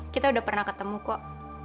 kita udah pernah ketemu kok